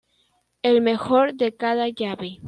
El mejor de cada llave.